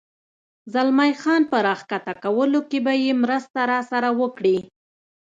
زلمی خان په را کښته کولو کې به یې مرسته راسره وکړې؟